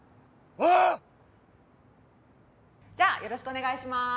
おぉ⁉じゃあよろしくお願いします。